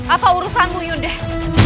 apakah urusanmu sudah